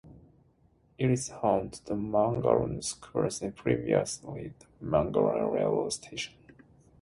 It is home to the Mangaroa School and previously the Mangaroa Railway Station.